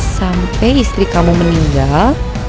sampai istri kamu meninggal